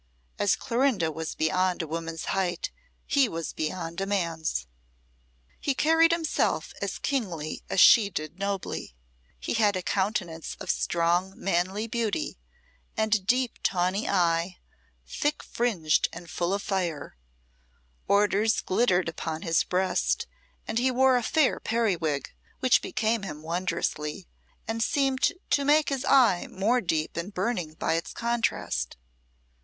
As Clorinda was beyond a woman's height, he was beyond a man's. He carried himself as kingly as she did nobly; he had a countenance of strong, manly beauty, and a deep tawny eye, thick fringed and full of fire; orders glittered upon his breast, and he wore a fair periwig, which became him wondrously, and seemed to make his eye more deep and burning by its contrast.